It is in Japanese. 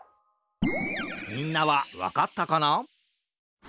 みんなはわかったかな？